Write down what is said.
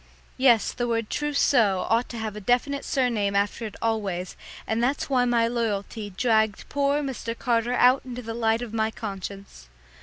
Yes, the word "trousseau" ought to have a definite surname after it always, and that's why my loyalty dragged poor Mr. Carter out into the light of my conscience.